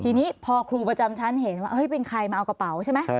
ทีนี้พอครูประจำชั้นเห็นว่าเป็นใครมาเอากระเป๋าใช่ไหม